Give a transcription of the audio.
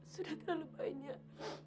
sudah terlalu banyak